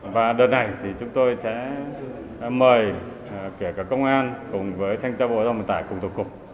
và đợt này thì chúng tôi sẽ mời kể cả công an cùng với thanh tra bộ giao vận tải cùng tổng cục